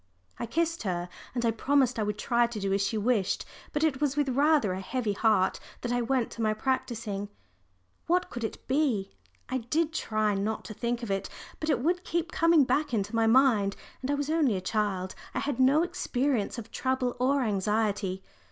I kissed her and I promised I would try to do as she wished. But it was with rather a heavy heart that I went to my practising. What could it be? I did try not to think of it, but it would keep coming back into my mind. And I was only a child. I had no experience of trouble or anxiety.